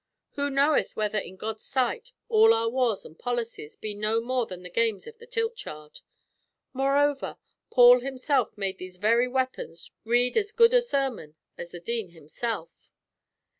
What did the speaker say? Who knoweth whether in God's sight, all our wars and policies be no more than the games of the tilt yard. Moreover, Paul himself made these very weapons read as good a sermon as the Dean himself.